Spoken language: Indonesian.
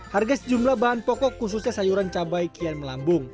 harga sejumlah bahan pokok khususnya sayuran cabai kian melambung